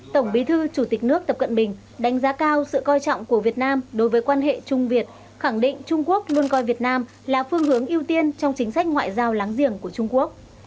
tổng bí thư chủ tịch nước tập cận bình đánh giá cao sự coi trọng của việt nam đối với quan hệ trung việt khẳng định trung quốc luôn coi việt nam là phương hướng ưu tiên trong chính sách ngoại giao láng giềng của trung quốc